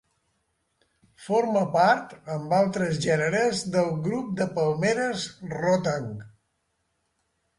Forma part, amb altres gèneres del grup de palmeres rotang.